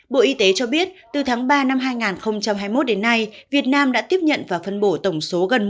bộ y tế cho biết từ tháng ba năm hai nghìn hai mươi một đến nay việt nam đã tiếp nhận và phân bổ tổng số gần